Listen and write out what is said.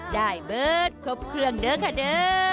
ได้เบิดครบเครื่องเด้อค่ะเด้อ